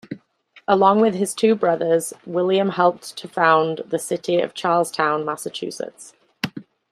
Along with his two brothers, William helped to found the city of Charlestown, Massachusetts.